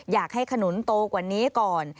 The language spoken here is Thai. อยากให้ขนุนโตกว่านี้ก่อน